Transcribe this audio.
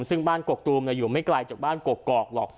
ซึ่งบ้านกกตูมอยู่ไม่ไกลจากบ้านกกอกหรอก